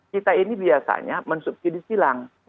kita ini biasanya mensubsidi silang